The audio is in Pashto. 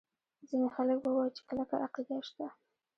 ځیني خلک به ووایي چې کلکه عقیده شته.